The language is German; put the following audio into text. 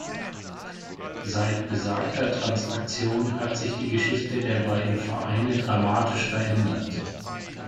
Seit besagter Transaktion hat sich die Geschichte der beiden Vereine dramatisch verändert.